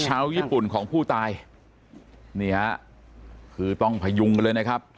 ชาวญี่ปุ่นของผู้ตายนี่ฮะคือต้องพยุงกันเลยนะครับ